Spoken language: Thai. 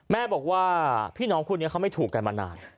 แม่บอกว่าพี่น้องคู่นี้เขาไม่ถูกกันมานาน